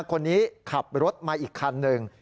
คนนี้ขับรถมาอีกคันหนึ่ง